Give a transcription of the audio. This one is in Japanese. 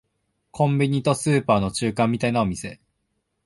コンビニとスーパーの中間みたいなお店